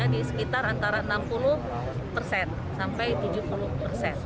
di sekitar antara enam puluh persen sampai tujuh puluh persen